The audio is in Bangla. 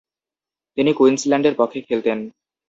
তিনি কুইন্সল্যান্ডের পক্ষে খেলতেন।